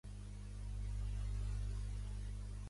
Kitimat està situat al sud de Terrace.